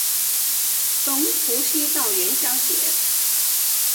从除夕到元宵节